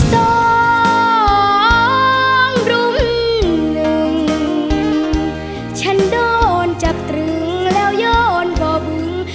สองรุมหนึ่งฉันโดนจับตรึงแล้วย้อนผม